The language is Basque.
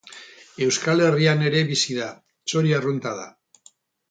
Euskal Herrian ere bizi da, txori arrunta da.